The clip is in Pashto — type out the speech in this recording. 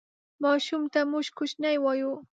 ماشوم ته موږ کوچنی وایو